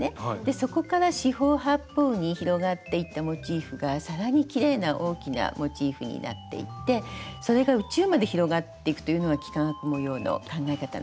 そこから四方八方に広がっていったモチーフが更にきれいな大きなモチーフになっていってそれが宇宙まで広がっていくというのが幾何学模様の考え方なんですね。